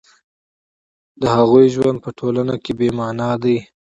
د هغوی ژوند په ټولنه کې بې مانا دی